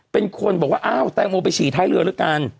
เป็นคนบอกว่าอ้าวแตงโมไปฉี่ท้ายเรือแล้วกัน